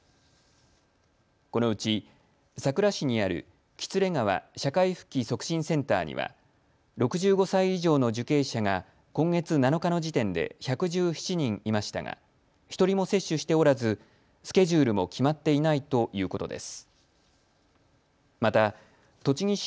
このうち、さくら市にある喜連川社会復帰促進センターには６５歳以上の受刑者が今月７日の時点で１１７人いましたが１人も接種しておらずスケジュールも決まっていないということです。